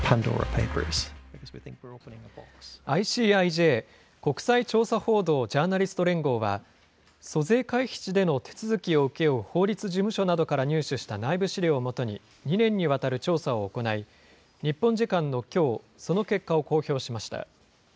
ＩＣＩＪ・国際調査報道ジャーナリスト連合は、租税回避地での手続きを請け負う法律事務所などから入手した内部資料を基に、２年にわたる調査を行い、日本時間のきょう、その結果を公表しました。